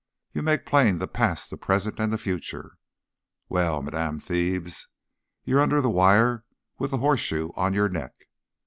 You make plain the past, the present, and the future. Well, Madame Thebes, you're under the wire with the horseshoe on your neck."